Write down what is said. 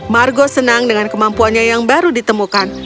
margo senang dengan kemampuannya yang baru ditemukan